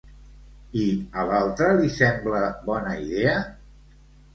I a l'altre li sembla bona idea?